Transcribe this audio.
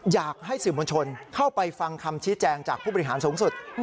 อยากให้สื่อมวลชนเข้าไปฟังคำชี้แจงจากผู้บริหารสูงสุด